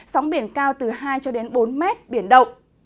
sóng biển cao từ hai bốn mét biển động